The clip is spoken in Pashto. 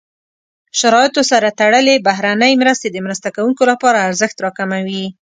شرایطو سره تړلې بهرنۍ مرستې د مرسته کوونکو لپاره ارزښت راکموي.